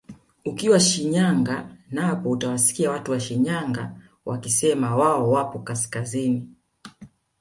Ukiwa Shinyanga napo utawasikia watu wa Shinyanga wakisema wao wapo kaskazini